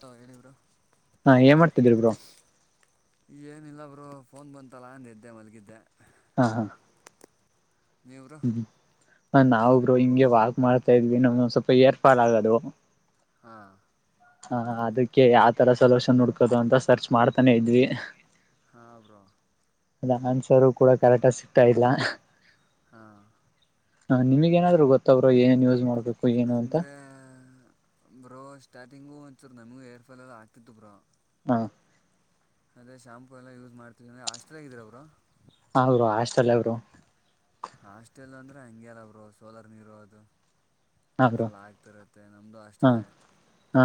ಹ ಹೇಳಿ ಬ್ರ ಹಾ ಏನ್ ಮಾಡ್ತಿದ್ರಿ ಬ್ರೋ ಏನಿಲ್ಲಬ್ರು ಫೋನ್ ಬಂತಲ್ಲ ಅಂದದ್ದೆ ಮಲಗಿದ್ದೆ ಹಾ ಹಾ ನೆವರು ಹ ನಾಬ್ರು ಹಿಂಗೆ ವಾಕ್ ಮಾಡ್ತಾ ಇದ್ವಿ ನಮ ಸ್ವಲ್ಪ ಏರ್ ಫಾಲ್ ಆಗೋದು ಹಾಂ ಹ ಅದಕ್ಕೆ ಯಾವತರ ಸೊಲ್ಯೂಷನ್ ಹುಡ್ಕೋದು ಅಂತ ಸರ್ಚ್ ಮಾಡ್ತಾನೆ ಇದ್ವಿ ಹಾ ಬ್ರೋ ಅ ಆನ್ಸರು ಕೂಡ ಕರೆಕ್ಟ್ಗ ಸಿಗ್ತಾ ಇಲ್ಲ ಹಾ ಹ ನಿಮ್ಗ ನಾದ್ರು ಗೊತ್ತಬ್ರು ಏನ್ ಯೂಸ್ ಮಾಡ್ಬೇಕು ಏನು ಅಂತ ಅಂದ್ರೆ ಬ್ರೋ ಸ್ಟಾರ್ಟ್ ತೆಂಗು ಒಂಚ್ರ್ ನಮಗೂ ರ್ ಫಲ್ಲ್ಲ ಆಗ್ತಿತ್ತು ಬರ ಹಾ ಅದೇ ಶಂಪು ಎಲ್ಲ ಯೂಸ್ ಮಾಡ್ತವಿ ಅಷ್ಟದಾಗ ಇದೀರ ಅವರು ಹರು ಅಷ್ಟಲ್ಲ ಅವರು ಹಾಸ್ಟೆಲ್ ಅಂದ್ರೆ ಹಂಗಗೆಲ್ಲ ಅವರು ಸೋಲರ್ ನೀರು ಅದು ಹಾ ಬ್ರೋ ಏರ್ಫಾಲ್ ಆಗ್ತಿರುತ್ತೆ ನಮ್ಮದುೂ ಹಾ ಅಷ್ಟಲ್ಲೇ ಹಾ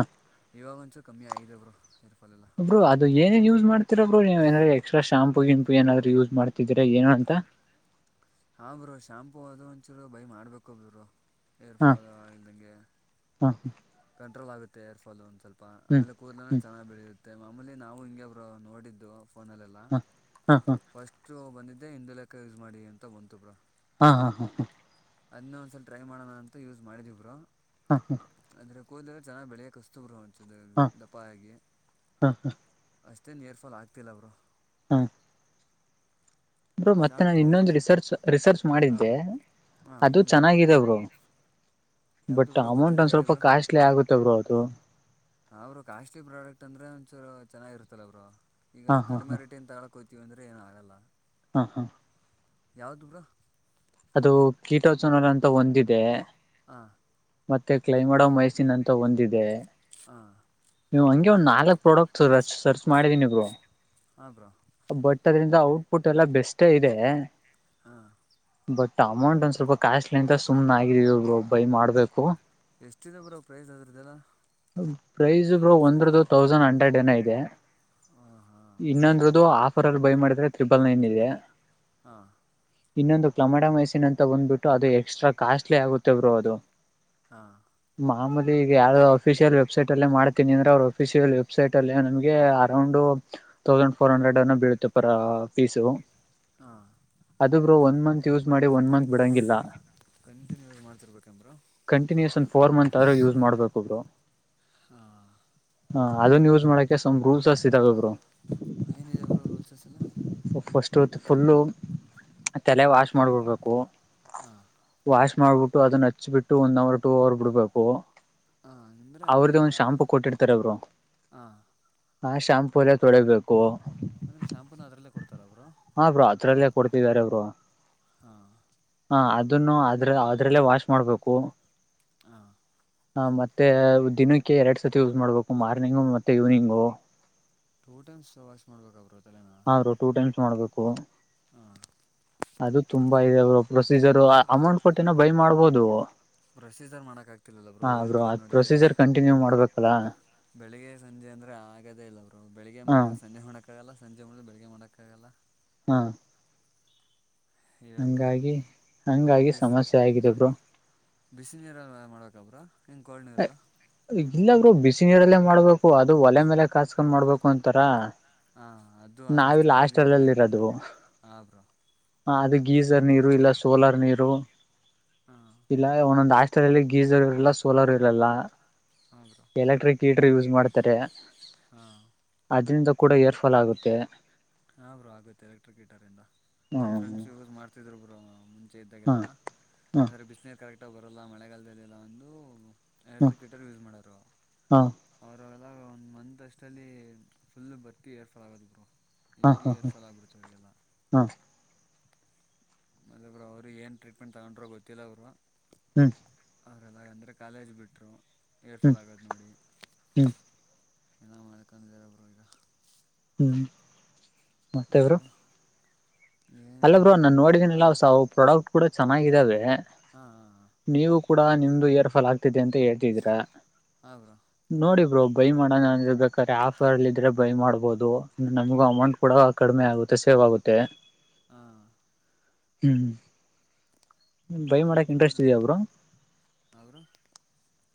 ಇವಾಗೊಂಚು ಕಮ್ಮಿ ಆಗಿದರುರ್ಪ ಬ್ರರು ಅದು ಏನೇ ಯೂಸ್ ಮಾಡ್ತಿರಬ್ರು ನೀವ ಏನಾರ ಎಕ್ಸ್ಟ್ರಾ ಶಾಂಪು ಶಂಪು ಏನಾದ್ರು ಯೂಸ್ ಮಾಡ್ತಿದೀರಾ ಏನು ಅಂತ ಹ ಹಾ ಬರು ಶಾಂಪೂ ಅದು ಒಂಚೂರು ಬೈ ಮಾಡ್ಬೇಕು ಬರು ಏರ್ ಹಾ ಫಾಲು ಆಗಿಲ್ದಂಗೆ ಹಾ ಕಂಟ್ರೋಲ್ ಆಗುತ್ತೆ ಏರ್ ಫಾಲು ಒಂದು ಸ್ವಲ್ಪ ಪ್ಪಾ ಹ್ಮ್ ಆಮೇಲೆ ಕೂದಲ ಹ್ಮ್ ಚೆನ್ನಾಗಿ ಬೆಳೆಯುತ್ತೆ ಮಮೇಲಿ ನಾವು ಹಿಂಗಗೆ ಒಬ್ ನೋಡಿದ್ದು ಫೋನಲ್ಲೆಲ್ಲ ಹಾ ಹಾ ಫಸ್ಟು ಬಂದಿದ್ದೆ ಇಂದುಲೇಖ ಯೂಸ್ ಮಾಡಿ ಅಂತ ಬಂತು ಬ್ರೋ ಹಾ ಹಾ ಹಾ ಹಾ ಅದನ್ನ ಒಂದ್ಸಲ್ ಟ್ರೈ ಮಾಡೋಣ ಅಂತ ಯೂಸ್ ಮಾಡಿದವರು ಹಾ ಹಾ ಅಂದ್ರೆ ಕೂದಲ ಚೆನ್ನಾಗಿ ಬೆಳೆಯ ಕಸ್ತರು ಅಂ ದಪ್ಪ ಆಅಷ್ಟೇ ಹಾ ಮತ್ತೇನು ಏರ್ಫಲ್ ಆಗ್ತಿಲ್ಲ ಅವರು ಹಾ ಬರು ಮತ್ತೆ ನಾನು ಶಾಂಪೂ ಇನ್ನೊಂದು ರಿಸರ್ಚ್ ರಿಸರ್ಚ್ ಹಾಂ ಮಾಡಿದ್ದೆ ಬ್ರೋ ಹಾಂ ಅದು ಹೇಳಿ ಬ್ರೋ ಚೆನ್ನಾಗಿದವರು ಯಾವುದು ಬಟ್ ಬ್ರೋ ಅಮೌಂಟ್ ಗೊತ್ತಿದ್ರೆ ಒಂದ್ ಹೇಳಿ ಸ್ವಲ್ಪ ಬ್ರೋ ಕಾಸ್ಟ್ಲಿ ಆಗುತ್ತ ಬ್ರೋ ಅದು ಹ ಅವರು ಕಾಸ್ಟ್ಲಿ ಪ್ರಾಡಕ್ಟ್ ಅಂದ್ರೆ ಒಂಚೂರು ಚೆನ್ನಾಗಿರುತ್ತಲ್ಲ ಅವರು ಹಾ ಈಗ ಹಾ ಕಡಿಮೆ ಹಾ ರೇಟಿದ ತ ಕೋತೀವಿ ಅಂದ್ರೆ ಏನ ಆಗಲ್ಲ ಹಾ ಹಾ ಯಾವ್ದ ಬರ ಅದು ಕೀಟಚನ ಅಂತ ಒಂದಿದೆ ಹ ಮತ್ತೆ ಕ್ಲೈಮಡ್ ಮೈಸನ್ ಅಂತ ಒಂದಿದೆ ಹ ನೀವು ಹಂಗೆ ಒಂದು ನಾಲ್ಕಕ್ ಪ್ರಾಡಕ್ಟ್ ಸರ್ಚ್ ಮಾಡಿದೀನಿರು ಹಾ ಬ್ರೋ ಬಟ್ ಅದ್ರಂದ ಔಟ್ಪುಟ್ ಎಲ್ಲ ಬೆಸ್ಟ್ ಇದೆ ಹಾ ಬಟ್ ಅಮೌಂಟ್ ಒಂದ ಸ್ವಲ್ಪ ಕ್ಯಾಶ್ಲಿಂತ ಸುಮ್ನೆ ಆಗಿದೀವಿ ಒಬ್ರು ಬೈ ಮಾಡ್ಬೇಕು ಎಷ್ಟಿದ ಬರ ಪ್ರೈಸ್ ಅದ್ರದ್ದಲ್ಲ ಪ್ರೈಸ್ ಬ ಒಂದ್ರದ್ದ ತೌಸಂಡ್ ಹಂಡ್ರೆಡ್ ನ ಇದೆ ಹಾಂ ಹಾಂ ಇನ್ನೊಂದ್ರದ್ದ ಇದು ಆಫರ್ ಅಲ್ಲಿ ಬೈ ಮಾಡಿದ್ರೆ ತ್್ರಿಬಲ್ ನೈನ್ ಇದೆ ಹಾ ಇನ್ನೊಂದು ಕ್ಲಮಡ ಮೈಸನ್ ಅಂತ ಬಂದ್ಬಿಟ್ಟು ಅದು ಎಕ್ಸ್ಟ್ರಾ ಕಾಸ್ಟ್ಲಿ ಆಗುತ್ತೇ ಬರು ಅದು ಹಾ ಆಮಲಿ ಈಗ ಯಾರೋ ಅಫಿಷಿಯಲ್ ವೆಬ್ಸೈಟ್ ಅ ಮಾಡ್ತೀನಿ ಅಂದ್ರೆ ಅವ್ರರುಫಿಷಿಯಲ್ ವೆಬ್ಸೈಟ್ ಅಲ್ಲಿ ನಮಗೆ ಅರೌಂಡ್ ತೌಸಂಡ್ ಫೋರ್ ಹಂಡ್ರೆಡ್ ಅನ್ನು ಬೀಳುತ್ತೆ ಪರ ಫೀಸು ಹಾಂ ಅದುಬ್ರು ಒನ್ ಮಂತ್ ಯೂಸ್ ಮಾಡಿ ಒನ್ ಮಂತ್ ಬಿಡಂಗಿಲ್ಲ ಕಂಟಿನ್ಯೂ ಆಗಿ ಮಾಡ್ತಿರ್ಬೇಕೇನು bro continuous one four month ಆದ ಯೂಸ್ ಮಾಡ್ಬೇಕುೊಬ್ರು ಹಾ ಹಾ ಅದನ್ ಯೂಸ್ ಮಾಡಕೆ ರೂಲ್ಸ್ಸ್ ಇದಾಗಬ್ರು ಏನಿದೆ ಅವರು ರೂಲ್ಸಸ್ ಎಲ್ಲ ಫಸ್ಟು ಫುಲ್ಲು ತಲೆ ವಾಶ್ ಮಾಡಿಬಿಡ್ಬೇಕು ಹಾ ವಾ್ಮಾಡಬಿಟ್ಟು ಅದನ್ನ ಹಚ್ಬಿಟ್ಟು ಒಂದ್ ಅವರ್ ಟು ಅವರ್ ಬಿಡ್ಬೇಕು ಹಾ ಅಂದ್ರೆ ಹಂಗೆ ಅವ್ರದ್ದೇ ಒಂದ್ ಶಾಂಪೂ ಹಾ ಹಾ ಶಾಂಪೂರ ತೊಳಿಬೇಕು ಅಂದ್ರೆ ಶ ಹಾ ಬ್ರರು ಅತ್ರರಲ್ಲಯ ಕೊಡ್ತಿದಿದ್ದಾರೆ ಬರು ಹಾ ಹ ಅದನ್ನು ಅ್ರ ಅದ್ರಲ್ಲೇ ವಾಶ್ ಮಾಡ್ಬೇಕು ಹಾ ಹ ಮತ್ತೆ ದಿನಕ್ಕೆ ಎರಡ್ ಸತಿ ಯೂಸ್ ಮಾಡ್ಬೇಕು ಮಾರ್ನಿಂಗು ಮತ್ತೆ ಈವ್ನಿಂಗು ಟೂ ಟೈಮ್ಸ್ ವಾಸ್ ಬೇಕ ಅವ್ರರು ಅಲ್ಲ ನ ಆ ಬ್ರೋ ಟೂ ಟೈಮ್ಸ್ ಮಾಡ್ಬೇಕು ಹಾಂ ಅದು ತು ರು ಪ್ರೊಸೀಜರ್ ಅಮೌಂಟ್ ಕೊಟ್ಟನ ಬೈ ಮಾಡ್ಬೋದು ಬ್ರಸೀ ಸರ್ ಮಾಡಕ್ ಆಗ್ತಿಲಲ್ಲ ಬ್ರೋ ಹಾ ಹೇಳ್ತಿರೋ ಅದ್ ನೋಡಿದ್ರೆ ಪ್ರೊಸೀಜರ್ ಕಂಟಿನ್ಯೂ ಮಾಡ್ಬೇಕಲ್ಲ ಬೆಳಿಗ್ಗೆ ಸಂಜೆ ಅಂದ್ರೆ ಆಗದೇ ಇಲ್ಲರು ಬೆಳಿಗ್ಗೆ ಹ ಮಾಡಿದ್ರೆ ಸಂಜೆ ಹೊಣಕ್ ಗಲ್ಲ ಸಂಜೆ ಮಾಡಿದ್ರೆ ಬೆಳಗ್ಗೆ ಮಾಡಕ್ಕಾಗಲ್ಲ ಹಾ ಇವೇ ಬ್ರೋ ಹಂಗಾಗಿ ಹಂಗಾಗಿ ಬಿಸಿ ಸಮಸ್ಯೆ ಆಗಿದೆ ಬ್ರೋ ಬಿಸಿ ನೀರ ಮಾಡ್ಬೇಕ ಬ್ರೋ ಹಿಂಗೆ ಕೋಲ್ಡ್ ಹ ನೀರಲ್ಲ ಈ ಗಿಲ್ಲಾಗ್ರ ಬಿಸಿ ನೀರಲ್ಲೇ ಮಾಡ್ಬೇಕು ಅದು ಒಲೆ ಮೇಲೆ ಕಾಸ್ಕೊಂಡ ಮಾಡ್ಬೇಕು ಅಂತಾರ ಹಾ ಅದು ನಾವಿಲ್ಲಿ ಆಷ್ಟದಾಗ ಇದಿದ್ದೀವಿ ಹಾಸ್ಟೆಲ್ ಅಂದ್ರೆ ಅಲ್ಲಿ ಆಗಲ್ಲ ಹಬ್ರು ಹ ಅದು ಗೀಸರ್ ನೀರು ಇಲ್ಲ ಸೋಲಾರ್ ನೀರು ಹಾಂ ಇಲ್ಲ ಒಂದೊಂದ ಆಸ್ ರಲ್ಲಿ ಗೀಸರ್ ಇರಲ್ಲ ಸೋಲಾರ್ ಇರಲ್ಲ ಹಾ ಬ್ರೋ ಎಲೆಕ್ಟ್ರಿಕ್ ಹೀಟರ್ ಯೂಸ್ ಮಾಡ್ತಾರೆ ಹಾ ಅದರಿಂದ ಕೂಡ ಏರ್ ಫಾಲ್ ಆಗುತ್ತೆ ಹಾ ಬ್ರರು ಆಗುತ್ತೆ ಎಲೆಕ್ಟ್ರಿಕ್ ಹೀಟರ್ ಇಂದ ನಮ್ಮ ಹ್ಮ್ ಫ್ರೆಂಡ್ಸ್ ಯೂಸ್ ಮಾಡ್ತಿದ್ರು ಬ್ರರು ಚೇ ಹ್ಮ ಇದ್ದಾಗೆಲ್ಲ ಹ್ಮ ಅಂದರೆ ಬಿಸ್ನೆನೀರು ಕರೆಕ್ಟಾಗಿ ಬರೋಲ್ಲ ಮಳೆಗಾಲದದಲ್ಲಿಲ್ಲ ಒಂದು ಹ್ಮ ಎಲೆಕ್ಟ್ರಿಕೇಟರ್ ಯೂಸ್ ಮಾಡರು ಹಾ ಲ್ಲ ಒಂದು ಮಂತ್ ಅಷ್ಟಲ್ಲಿ ಫುಲ್ ಬರ್ತಿ ಇಏರ್ ಫಾಲ್ ಆಗೋದು ಬರು ಇ ಭ ಏರ್ಫಾಲ್ ಆಗ್ಬಿಡ್ತ ಅವರಿಗೆಲ್ಲ ಹಾ ಮತ್ತಬ್ರು ಅವ್ರು ಏನು ಟ್ರೀಟ್ಮೆಂಟ್ ತಗೊಂಡ್ರೋ ಗೊತ್ತಿಲ್ಲ ಅವರು ಹ್ಮ್ ಅವರೆಲ್ಲ ಅಂದರೆ ಕಾಲೇಜ್ ಬಿಟ್ಟರು ಹ್ಮ್ ಏರ್ಫಾಲ್ ಆಗೋದು ನೋಡಿ ಹ್ಮ್ ಎಲ್ಲ ಅಕ್ಕಾ ಜೇರ ಬುರ ಇದಾ ಹ್ಮ್ ಮತ್ತೆ ಬ್ರೋ ಅಲ್ಲ ಬ್ರೋ ನಾನ ನೋಡಿದೀನಲ್ಲ ಹಾಂ ಪ್ರಾಡಕ್ಟ್ ಕೂಡ ಚೆನ್ನಾಗಿದಾವೆ ಹಾಂ ಹಾಂ ನೀವು ಕೂಡ ನಿಮ್ದು ಹೆರ್ ಫಾಲ್ ಆಗ್ತಿದೆ ಅಂತ ಹೇಳ್ತಿದ್ರ ಹಾಂ ಬ್ರೋ ನೋಡಿ ಬ್ರೋ ಬೈ ಮಾಡೋಣ ಬೇಕಾದ್ರೆ ಆಫರ್ ಅಲ್ಲಿ ಇದ್ರೆ ಬೈ ಮಾಡ್ಬಹುದು ನಮಗೂ ಅಮೌಂಟ್ ಕೂಡ ಕಡಿಮೆ ಆಗುತ್ತೆ ಸೇ ಆಗುತ್ತೆ ಹಾಂ ಹ್ಮ್ ಹ್ಮ ಬೈ ಮಾಡಕ್ ಇಂಟ್ರೆಸ್ಟ್ ನೋಡಿ ಇದೆಯ ಬ್ರೋ ಹಾಂ ಬ್ರೋ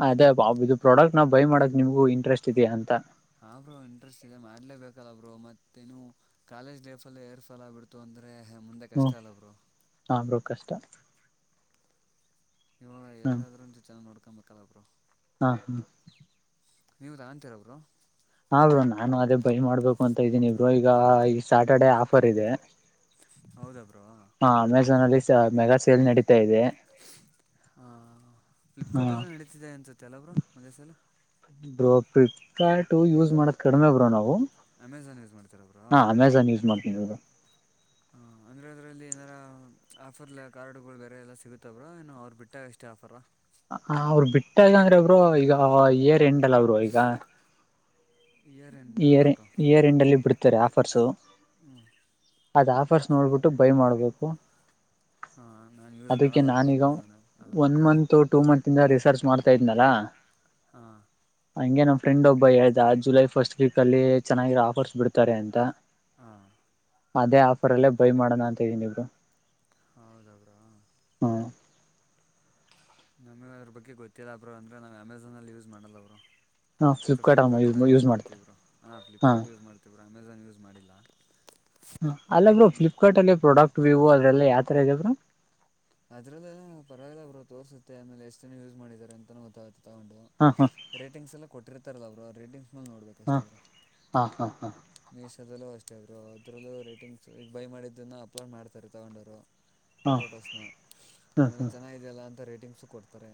ಅದೇ ಇದು ಪ್ರಾಡಕ್ಟ್ ನ ಬೈ ಮಾಡಕ್ ನಿಮ್ಗೂ ಇಂಟ್ರೆಸ್ಟ್ ಇದೆಯಾ ಅಂತ ಹ್ರರು ಇಂಟ್ರೆಸ್ಟ್ ಇದೆ ಮಾಡ್ಲೇಬೇಕಲ್ಲಬ್ರು ಮತ್ತೇನು ಕಾಲೇಜ್ ಲೈಫ ಅಲ್ಲ ಏರ್ ಫಲ ಆಬ ಬಿಡ್ತು ಅಂತ ಅ ಮುಂದೆ ಕಷ್ಟ ಹ್ಮ್ ಅಲ್ಲ ಬ್ರೋ ಹಾ ಬ್ರೋ ಕಷ್ಟ ಇವಾಗ ಹ್ಮ ಏನಾದರೂ ಅಂತ ನೋಡ್ಕೊಬೇಕಲ್ಲ ಬ್ರೋ ಹಾ ಹ್ಮ ನೀವು ತಗೋನ್ತೀರ ಬ್ರೋ ಹ ಬ್ರರು ನಾನು ಅದೇ ಬೈ ಮಾಡ್ಬೇಕು ಅಂತ ಇದ್ದೀನಿ ಇ್ರರು ಈಗ ಈ ಸ್ಯಾಟರ್ಡೇ ಆಫರ್ ಇದೆ ಹೌದ ಬ್ರೋ ಅಮೆಝಾನ್ ಅಲ್ಲಿ ಮೆಗಾ ಸೇಲ್ ನಡತ ಹಾ ಹ ಫ್ಲಿಪ್ಕಾರ್ಟ್ ಎಲ್ಲ ನಡೀತಿದೆ ಅನ್ಸುತ್ತೆ ಎಲ್ಲಬ್ರು ಮಜಸ ಎಲ್ಲ ಬ್ರೋ ಫ್ಲಿಪ್ಕಾರ್ಟ್ ಯೂಸ್ ಮಾಡದ ಕಡಿಮೆ ಬ್ರೋ ನಾವು [inaudible] ಹಾ ಅಮೆಝಾನ್ ಯೂಸ್ ಮಾಡ್ತನಿ ಬ್ರೋ ಹಾ ಅಂದ್ರೆ ಅದ್ರಲ್ಲಿ ಏನಾರ ಆಫರ್ಲ್ಲ ಕಾರ್ಡ್ಗಳು ಬೇರೆ ಎಲ್ಲ ಸಿಗುತ್ತವ್ರ ಏನೋ ಅವ್ರು ಬಿಟ್ಟಾಗ ಅಷ್ಟೇ ಆಫರ ಹ ಅವರು ಬಿಟ್ಟಾಗಂದ್ರೆ ಒಬ್ರು ಈಗ ಏರ್ ಹೆಂಡಲ್ಲ ಅವರು ಈಗ ಇಯರ್ ಎಂಡ್ ಹಾಂ ಇಯರ್ ಬ್ರೋ ಇಯರ್ ಎಂಡಲ್ಲಿ ಬಿಡ್ತಾರೆ ಆಫರ್ಸು ಹ್ಞೂ ಅದ ಆಫರ್ಸ್ ನೋಡ್ಬಿಟ್ಟು ಬೈ ಮಾಡ್ಬೇಕು ಹಾ ನಾನ್ ಯೂಸ್ ಅದಕ್ಕೆ ಮಾಡಲ್ಲ ಬ್ರೋ ಅಮೆಝಾನ್ ಹ ಇನ್ನ ರಿಸರ್ಚ್ ಮಾಡ್ತಾ ಇದ್ನಲ್ಲಾ. ಹ್ಞಾ. ಹಂಗೆ ನಮ್ಮ ಫ್ರೆಂಡ್ ಒಬ್ಬ ಹೇಳ್ದ ಜುಲೈ ಫಸ್ಟ್ ವೀಕ್ ಅಲ್ಲಿ ಚೆನ್ನಾಗಿರ ಆಫರ್ಸ್ ಬಿಡ್ತಾರೆ ಅಂತ. ಹಾಂ ಅದೇ ಆಫರ್ ಅಲ್ಲೇ ಬೈ ಮಾಡೋಣ ಅಂತ ಇದೀನಿ ಬ್ರೋ. ಹೌದ ಬ್ರಾ ಹುಂ. ನಮಗ ಅದ್ರ ಬಗ್ಗೆ ಗೊತ್ತಿಲ್ಲ ಬ್ರು ಅಂದ್ರ ನಾ ಅಮೆಝನ್ ಅಲ್ಲಿ ಯೂಸ್ ಮಾಡಲ್ಲ ಬ್ರೋ. ಹಾ ಫ್ಲಿಪ್ಕಾರ್ಟ್ ಅಮ್ಮ ಫ್ಲಿಪ್ಕಾರ್ಟ ಎಲ್ಲ ಯೂಸ್ ಮಾಡ್ತಿ ಮಾಡ್ತಾರೆ ಬ್ರು ಹ್ಞಾ ಹಾ ಫ್ಲಿಪ್ಕಾರ್ಟ್ ಯೂಸ್ ಮಾಡ್ತತಿವ ಅಮೆಝಾನ್ ಯೂಸ್ ಮಾಡಿಲ್ಲ. ಅಲ್ಲಬ್ರ ಅದೇ ಫ್ಲಿಪ್ಕಾರ್ಟ್ ಅಲ್ಲಿ ಪ್ರಾಡಕ್ಟ್ ವಿವ್ ಅದೆಲ್ಲ ಯಾತರಗೆ ಬ್ರೋ. ಅದ್ರಲ್ಲ ಪರವಾಗಿಲ್ಲ ಬ್ರು ತೋರ್ಸುತ್ತೆ ಆಮೇಲೆ ಎಷ್ಟ ಜನ ಯೂಸ್ ಮಾಡಿದ್ದಾರೆ ಅಂತಾನ ಗೊತ್ತಾಗತ್ತೆ. ತಗೊಂಡು ಹಾ ರೇಟಿಂಗ್ಸ್ ಎಲ್ಲ ಕೊಟ್ಟಿರ್ತಾರಲ್ಲ ಬ್ರೋ ರೇಟಿಂಗ್ಸ್. ಮೇಲೆ ಹ್ಮ ಹ್ಞಾ ಹ್ಞಾ ಹ್ಞಾ. ಮಿಶೋದಲ್ಲೂ ಅಷ್ಟೇ ಬ್ರೋ ಅದ್ರಲ್ಲೂ ರೇಟಿಂಗ್ಸ್ ಈಗ ಬೈ ಮಾಡಿದ್ದನ್ನ ಅಪ್ಲೋಡ್ ಮಾಡ್ತಾರೆ ತೊಗೊಂಡೋರು. ಹಾ ಫೋಟೋಸ್ನ ಹಾ ಆಮೇಲೆ ಹಾ ಹ್ಮ್ ಚೆನ್ನಾಗಿದೆಯಲ್ಲ ಅಂತ ರೇಟಿಂಗ್ಸು ಕೊಡ್ತಾರೆ.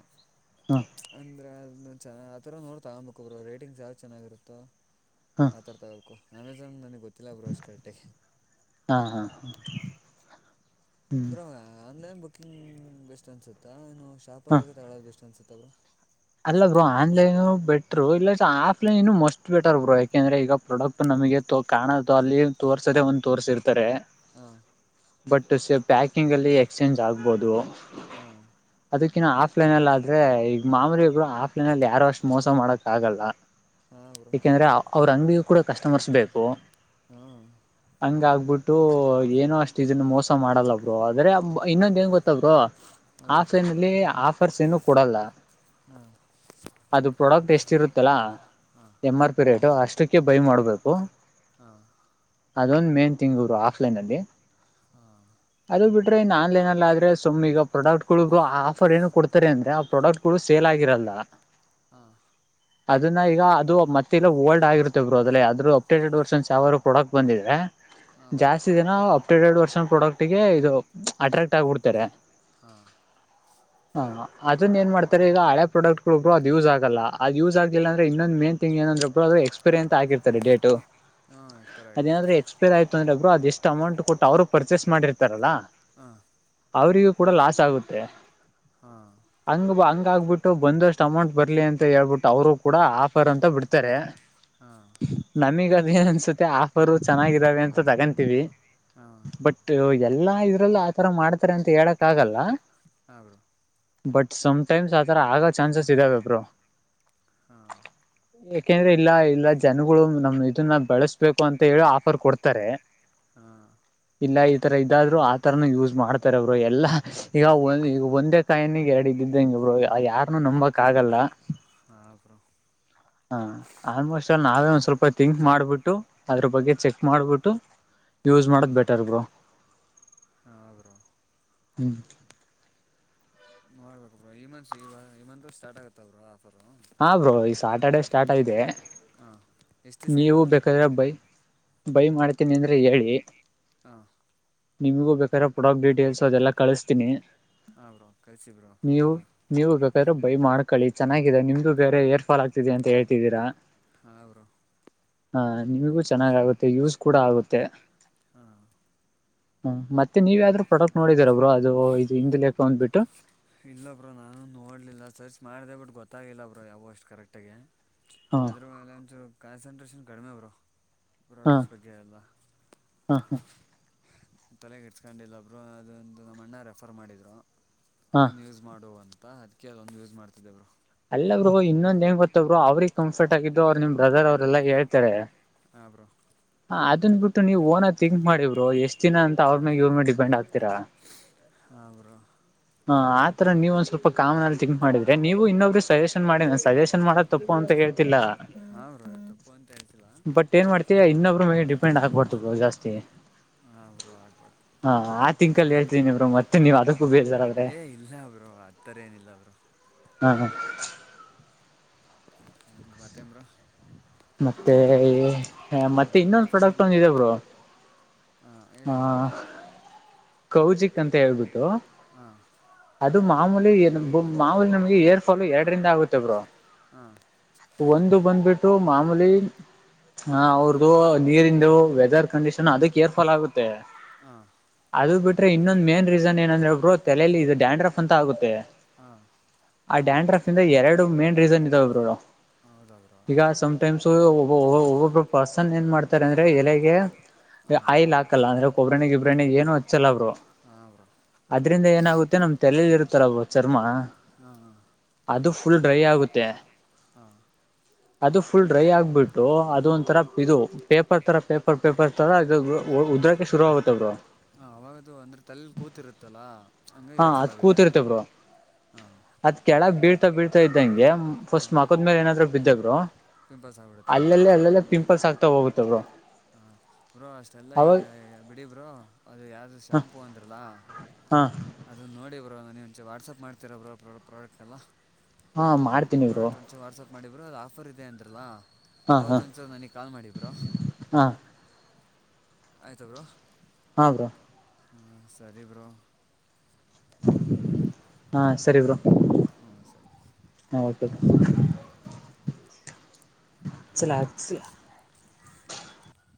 ಹ್ಮ್ ಹ್ಮ್ ಅಂದ್ರೆ ಅದ ಚ ಆಥರ ನೋಡ್ ತುಗೊಂನ್ಬೇಕು ಬ್ರ ರೇಟಿಂಗ್ಸ್ ಯಾವ್ದ ಚೆನ್ನಾಗಿರುತ್ತೋ. ಹ್ಮ್ ಆ ಥರ ತಗಬೇಕು ಅಮೆಜಾನ್ ನನಗ ಗೊತ್ತಿಲ್ಲ ಬ್ರ ಅಷ್ಟ ಕರೆಕ್ಟ್ ಆಗಿ ಹಾ ಹಾ ಹ್ಮ್ ಬ್ರೋ ಆನ್ಲೈನ್ ಬುಕಿಂಗ್ ಬೆಸ್ಟ್ ಅನ್ಸುತ್ತಾ ಏನು ಹಾ ಶಾಪಲ್ಲಿ ಹೋಗಿ ತಗೊಳ್ಳ ಬೆಸ್ಟ್ ಅನ್ಸ ತರು ಅಲ್ಲ ಬ್ರೋ ಆನ್ಲೈನು ಬೆಟ್ರು ಇಲ್ಲ ಆಫ್ಲೈನ್ ಮಸ್ತ ಬೆಟರ್ ಬ್ರೋ ಯಾಕೆಂದ್ರೆ ಈಗ ಪ್ರಾಡಕ್ಟ್ ನಗೆ ತೋ ಕಾಣ ತೊ ಅಲ್ಲಿ ತೋರ್ಸದೆೇ ಒಂದ ತೋರ್ಸಿರ್ತಾರೆ. ಹಾ ಬಟ್ ಸ ಪ್ಯಾಕಿಂಗ್ ಅಲ್ಲಿ ಎಕ್ಸ್ಚೇಂಜ್ ಆಗ್ಬದು ಹಾಂ ಅದಕಿ ಹಾಸ ಆಫ್ಲೈನ್ ಅಲ್ಲ ಆದ್ರೆ ಈಗ ಮಾಮೂಲಿ ಬ್ರೋ ಆಫ್ಲೈನ್ ಅಲ್ಲಿ ಯಾರು ಅಷ್ಟು ಮೋಸ ಮಾಡಕ ಆಗಲ್ಲ. ಹಾಂ ಬ್ರೋ ಏಕೆಂದ್ರ ಅವ್ರ ಅಂಗಿಗೂ ಕೂಡ ಕಸ್ಟಮರ್ಸ್ ಬೇಕು. ಹಾಂ ಅಂಗ ಆಗ್ಬಿಟ್ ಟು ಏನೋ ಅಷ್ಟ ಇದನ್ನ ಮೋಸ ಮಾಡಲ್ಲ ಬ್ರೋ ಆದ್ರೆ ಇನ್ನೊಂದ ಏನ್ ಗೊ ತ್ತ ಬ್ರೋ ಹಾಂ ಬ್ರೋ ಆಪೈನ್ ಅಲ್ಲಿ ಆಫರ್ಸ್ ಏನು ಕೊಡಲ್ಲ. ಹ್ಮ. ಅದು ಪ್ರೊಡಕ್ಟ್ ಎಷ್ಟ ಇರುತ್ತಲ್ಲ ಹಾಂ ಎಂ ಆರ್ ಪಿ ರೇ ಅಷ್ಟಕ್ಕೆ ಬೈ ಮಾಡ್ಬೇಕು. ಹಾ ಅದೊಂದ ಮೇನ್ ತಿಂಗ್ ರು ಆಫ್ಲೈನ್ ಅಲ್ಲಿ ಹಾಂ ಅದು ಬಿಟ್ರೆ ಇನ್ನ ಆನ್ಲೈನ್ ಅಲ್ಲಿ ಆದ್ರ ಸುಮ್ ಈಗ ಪ್ರಾಡಕ್ಟ್ಗಳಗು ಆಫರ್ ಏನು ಕೊಡ್ತಾರೆ ಅಂದ್ರೆ ಆ ಪ್ರಾಡಕ್ಟ್ ಗಳು ಸೇಲ್ ಆಗಿರಲ್ ತಾ ಹ ಅದನ್ನ ಈಗ ಅದು ಮತ್ತೆಲ್ಲ ಓಲ್ಡ್ ಆಗರುತ್ತೆ ಬ್ರೋ ಅದರು ಅಪ್ಡೇಟೆಡ್ ವರ್ಷನ್ಸ್ ಯಾವಾರೂ ಪ್ರಾಡಕ್ಟ್ ಬಂದಿದ್ರೆ ಹಾಂ ಬ್ರೋ ಜಾಸ್ತಿ ದಿನ ಅಪ್ಡೇಟೆಡ್ ವರ್ಷನ್ ಪ್ರಾಡಕ್ಟ್ ಗೆ ಇದು ಅಟ್ರಾಕ್ಟ್ ಆಗ್ಬಿಡ್ತಾರೆ. ಹಾ ಹಾ ಅದನ್ನ ಏನ್ ಮಾಡ್ತಾರೆ ಈಗ ಹಳೆ ಪ್ರಾಡಕ್ಟ್ ಬ್ರು ಅದು ಯೂಸ್ ಆಗಲ್ಲ ಅದು ಯೂಸ್ ಆಗಲಿಲ್ಲ ಅಂದ್ರ ಇನೊಂದ ಮೇನ್ ತಿಂಗ ಏನದ್ರ ಬ್ರ ಎಕ್ಸ್ಪರಿ ಅಂತ ಹಾಕಿರ್ತಾರೆ ಡೇಟ್. ಹಾಂ ಎಕ್ಸ್ಪೈರ್ ಆಗಿರುತ್ತೆ ಬ್ರೋ ಅದೇನಾದ್ರೆ ಎಕ್ಸ್ಪೈರ್ ಆಯ್ತು ಅಂದ್ರೆ ಒಬ್ರು ಅದ ಎಷ್ಟ್ ಅಮೌಂಟ್ ಕೊಟ್ಟು ಅವರು ಪರ್ಚೇಸ್ ಮಾಡಿರ್ತಾರಲ್ಲಾ. ಹಾ ಅವರಿಗೂ ಕೂಡ ಲಾಸ್ ಆಗುತ್ತೆ ಹಾಂ ಹಂಗ ಬಾ ಹಂಗ ಆಗ್ಬಿಟ್ಟು ಬಂದಷ್ಟ ಅಮೌಂಟ್ ಬರ್ಲಿ ಅಂತ ಹೇಳ್ಬಿಟ್ಟು ಅವರು ಕೂಡ ಆಫರ್ ಅಂತ ಬಿಡ್ತಾರೆ ಹಾಂ ನಮಗ ಏನ್ ಅನ್ಸುತ್ತೆ ಆಫರ್ ಚೆನ್ನಾಗಿದ್ದಾವೆ ಅಂತ ತಗೊಂತೀವಿ ಹಾಂ ಬಟ್ ಎಲ್ಲಾ ಇದ್ರಲ್ಲ ಆತರ ಮಾಡ್ತಾರೆ ಅಂತ ಹೇಳಕ ಆಗಲ್ಲ. ಹಾ ಬ್ರೋ. ಬಟ್ ಸಮಟೈಮ್ಸ್ ಆತರ ಆಗ ಚಾನ್ಸಸ್ ಇದಾವೆ ಬ್ರೋ. ಹಾ ಯಾಕೆಂದ್ರೆ ಇಲ್ಲ ಇಲ್ಲ ಜನಗಳು ನಮ್ ಇದನ್ನ ಬೆಳಸ್ಬೇಕು ಅಂತ ಹೇಳಿ ಆಫರ್ ಕೊಡ್ತಾರೆ ಹಾ ಇಲ್ಲ ಈ ತರ ಇದಾದ್ರು ಆತರನ ಯೂಸ್ ಮಾಡ್ತಾರೆ ಅವರು ಎಲ್ಲ ಈಗ ಈ ಒಂದೇ ಕಾಯನಿಗೆ ಎರಡ ಇದಿದ್ದ ಹಂಗಿಬ್ರು ಯಾರನುೂ ನಂಬಕ್ಕ್ಕಗಲ್ಲ ಹಾಂ ಬ್ರೋ ಹ ಆಲ್ಮೋಸ್ಟ್ ನಾವೇ ಒಂದ್ ಸ್ವಲ್ಪ ತಿಿಂಕ್ ಮಾಡ್ಬಿಟ್ಟು ಅದ್ರ ಬಗ್ಗೆ ಚೆಕ್ ಮಾಡ್ಬಿಟ್ಟು ಯೂಸ್ ಮಾಡೋದ ಬೆಟರ್ ಬ್ರೋ ಹ ಆಗರ ಹೂ ನೋಡ್ಬೇಕ ಬ್ರೋ ಈ ಮಂತ್ ಈ ಈ ಮಂತ್ ಸ್ಟಾರ್ಟ್ ಆಗತ್ತವ್ರಾ ಹಾ ಬ್ರೋ ಈ ಸಾಟಿಯಾರ್ಡೇ ಸ್ಟಾರ್ಟ್ ಆಗಿದೆ ಹಾಂ ಎಷ್ಟು ದಿವಸ ಇದೆ ನೀವು ಬ್ರೋ ಬೇಕಾದ್ರೆ ಬೈ ಬೈ ಮಾಡ್ತೀನಿ ಅಂದ್ರೆ ಹೇಳಿ ಹಾ ನಿಮಗೂ ಬೇಕಾದಾರ ಪ್ರೊಡಾಕ್ಟ್ ಡೀಟೇಲ್ಸ್ ಅದೆಲ್ಲ ಕಳ್ತೀನಿ ಹಾ ಬ್ರೋ ಕಳ್ಿಸಿ ಬ್ರೋ ಬೋಡ ಬೇರ ಬೈ ಮಾಡ್ಕೊಳ್ಳಿ ಚೆನ್ನಾಗಿದೆ ನಿಮ್ದಗ ಬೇರೆ ಏರ್ಫಾಲ್ ಆಗ್ತಿದೆ ಅಂತ ಹೇಳ್ತಿದ್ದೀರಾ ಹೌರು ಹಾ ನಿಮಗೂ ಚೆನ್ನಾಗ್ ಆಗುತ್ತೆ ಯೂಸ್ ಕೂಡ ಆಗುತ್ತೆ ಹಾ ಹೂ ಮತ್ತೆ ನೀವ ಯಾವ್ದ್ರು ಪ್ರೊಡಕ್ಟ್ ನೋಡಿದೀರಬ್್ರರು ಅದು ಇದು ಹಿಂದ ಲೆಕ್ಕ ಅಂದ್ಬಿಟ್ಟು ಇಲ್ಲ ಬ್ರೋ ನಾನು ನೋಡ್ಲಿಲ್ಲ ಸರ್ಚ್ ಮಾಡಿದೆ ಬಟ್ ಗೊತ್ತಾಗಿಲ್ಲ ಬ್ರೋ ಯಾವೋ ಅಷ್ಟು ಕರೆಕ್ಟಗೆ ಹ ಅದ್ರಲ್ಲ ಒಂಚರು ಕಾನ್ಸನ್ಟ್ರೇಷನ್ ಕಡಿಮೆ ಅವರು ಹ ಪ್ರೋಡಕ್ಟ್ಸ್ ಬಗ್ಗೆಗೆ ಇಲ್ಲ ಹ ಹ ತಲೆಗಿಟ್ಸ್ಕೊಂಡಿಲ್ಲೊಬ್ರು ಅದೊಂದು ನಮ್ಮ ಅಣ್ಣ ರೆಫರ್ ಮಾಡ್ಿದರು ಹ ಇನ್ ಯೂಸ್ ಮಾಡುವ ಅಂತ ಅದಕ್ಕೆ ಅದೊಂದು ಯೂಸ್ ಮಾಡ್ತಿದವರು ಇಲ್ಲಬ್ರು ಇನ್ನೊಂದ ಹೆಂಗ ಬರ್ತ್ತಬ್ರು ಅವ್ರಿಗ್ ಕಂಫರ್ಟ್ ಆಗಿದ್ದು ಅವ್ ನಿಮ್ ಬ್ರದರ್ ಅವ್ರೆಲ್ಲ ಹೇಳ್ತಾರೆ ಆಬ್ರೋ ಹ ಅದನ್ ಬಿಟ್ಟು ನೀವು ಓನ ತಿಂಕ್ ಮಾಡಿದ್ರು ಎಷ್ಟ್ ದಿನ ಅಂತ ಅವ್ರ ಮಾಗ ಇವ್ರ ಮೇಲೆ ಡಿಪೆಂಡ್ ಆಗ್ತಾರಾ ಹಾಗಬರು ಹ ಆತರ ನೀವು ಒಂದ್ ಸ್ವಲ್ಪ ಕಾಮನಲ್ಲಿ ಥಿಂಕ್ ಮಾಡಿದ್ರೆ ನೀವು ಇನ್ನೊ ಸಜೆಷನ್ ಮಾಡಿ ಸಜೆಷನ್ ಮಾಡೋ ತಪ್ಪು ಅಂತ ಹೇಳಿ ಹ್ರ ತಪ್ಪು ಅಂತ ಹೇಳ್ತಲ ಒಬ್ಬರು ಮೇಲೆ ಡಿಪೆಂಡ್ ಆಗ್ಬರ್ದು ಬ್ರೋ ಜಾಸ್ತಿ ಹಾಂ ಬ್ರೋ ಆಗ್ಬಾರ್ದು ಹಾ ಆ ತಿಂಕಲ್ಲಿ ಹೇಳ್ತೀನಿ ಬ್ರೋ ಮತ್ತೆ ನೀವ್ ಅದಕ್ಕೂ ಬೇಜಾರ್ ಆದ್ರೆ ಸರೇನಿಲ್ಲ ಅವರುೋ ಬಟೆಮರ ಮತ್ತೆ ಹ ಮತ್ತೆ ಇನ್ನೊಂದು ಸರಿ ಪ್ರಾಡಕ್ಟ್ ಬಿಡಿ ಒಂದಿದೆ ಬ್ರೋ ಹಾಂ ಹೇಳಿ ಹಾ ಬ್ರೋ ಅದು ಕೌಜಿಕ್ ಅಂತ ಹೇಳ್ಬಿಟ್ಟು ಹ ಅದು ಮಾಮೂಲಿ ಮಾಮೂಲಿ ನಮ್ಗೆ ಏರ್ ಫಾಲ್ ಎರಡರಿಂದ ಆಗುತ್ತೆ ಬ್ರೋ ಹಾಂ ಒಂದು ಬಂದ್ಬಿಟ್ಟು ಮಾಮೂಲಿ ಹಾ ಅವ್ರದು ನೀರಿಂದು ವೆದರ್ ಕಂಡೀಷನ್ ಅದು ಕೇರ್ಫಾಲ್ ಆಗುತ್ತೆ ಹಾ ಅದು ಬಿಟ್ರೆ ಇನ್ನೊಂದು ಮೇನ್ ರೀಸನ್ ಏನಂದ್ರೆಬ್ರೋ ತಲೆಲ್ಲಿ ಇದು ಡ್ಯಾಂಡ್ರಫ್ ಅಂತ ಆಗುತ್ತೆ ಹಾ ಡ್ಯಾನ್ಫ್ ಇಂದ ಎರಡು ಮೇನ್ ರೀಸನ್ ಇದಾವೆ ಬ್ರೋ ಹೌದಾ ಬ್ರೋ ಈಗ ಹಾಂ ಸಮ್ಟೈಮ್ಸ್ ಒಬ್ಬೊಬ್ಬರು ಪರ್ಸನ್ ಏನ್ ಮಾಡ್ತಾರೆ ಅಂದ್ರೆ ಎಲೆಗೆ ಹಾಂ ಆಯಿಲ್ ಹಾಕಲ್ಲ ಅಂದ್ರೆ ಒಬ್ರನಗ ಇಬ್ರನಿ ಏನು ಹಚ್ಚಲ್ಲಬ್ರೋ ಹಾಂ ಬ್ರೋ ಅದ್ರಿಂದ ಏನಾಗುತ್ತೆ ನಮ್ ತಲೇಲಿ ಇರು ರ ಚರ್ಮ ಹಾ ಅದು ಫುಲ್ ಡ್ರೈ ಆಗುತ್ತೆ ಹಾ ಅದು ಫುಲ್ ಡ್ರೈ ಆಗ್ಬಿಟ್ಟು ಅದು ಒಂಥರ ಹಾಂ ಇದು ಪೇಪರ್ ತರ ಪೇಪರ್ ಪೇಪರ್ ತರ ಇ ಉದ್ರಕೆ ಶುರು ಆಗುತ್ತೆ ಅವರು ಹ ಅವಾಗದು ಅಂದ್ರೆ ತಲೆ ಕೂತಿರುತ್ತಲಾ ಹಾ ಅದ್ ಕೂತಿರ್ತೇಬರು ಹಾಂ ಅದ್ ಕೆಳಗ್ ಬೀಳ್ತಾ ಬೀಳ್ತಾ ಇದ್ದಂಗೆ ಫಸ್ಟ್ ಹಾಂ ಮಗದ ಮೇಲೆ ಏನಾದ್ೂ ಬಿದ್ದವರು ಪಿಂಪಲ್ಸ್ ಆಗಿಬಿಡುತ್ತೆ ಅಂತ ಅಲ್ಲಲ್ಲಿ ಹೇಳ್ತೀರಾ ಅಲ್ಲೆಲ್ಲ ಪಿಂಪಲ್ಸ್ ಆಗ್ತಾ ಹೋಗುತ್ತವರು ಬೋ ಅಷ್ಟೆಲ್ಲ ಈಗ ಬಿಡಿ ಬ್ರೋ ಅದು ಯಾವು್ದ ಹ ಶಾಂಪೂ ಅಂದ್ರಲ್ಲ ಹಾ ಅದು ನೋಡಿ ಬ್ರರು ನೀ ಮುಂಚೆ ವಾಟ್ಸಆಪ್ ಮಾಡ್ತಿರಬ್ ಪ್ರಾಡಕ್ಟ್ ಎಲ್ಲ ಹಾ ಮಾಡ್ತೀನಿ ಇವರು ಮಾಡ್ರು ಅದು ಆಫರ್ ಇದೆ ಅಂದ್ರಲ್ಲ ಹಾ ಹಾ ಅವವತ್ತೊಂದಸರು ನನಗ್ ಕಾಲ್ ಮಾಡಬ್ರಾ ಹಾ ಆಯ್ತ ಬರು ಹ್ರಾ ಸರಿೇ ಬ್ರೋ ಹಾ ಸರಿ ಬರು ಹಾಂ ಸರಿ ಬ್ರೋ ಓಕೆ ಮ ಚಲ